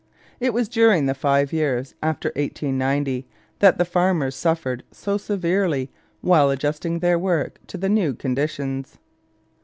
It was during the five years after 1890 that the farmers suffered so severely while adjusting their work to the new conditions.